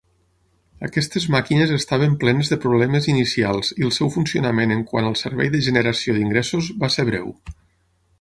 Aquestes màquines estaven plenes de problemes inicials i el seu funcionament en quant al servei de generació d'ingressos va ser breu.